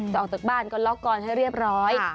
ออกจากบ้านก็ล็อกกอนให้เรียบร้อย